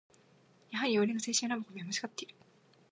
やはり俺の青春ラブコメはまちがっている